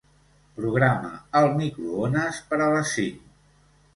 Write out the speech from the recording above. Programa el microones per a les cinc.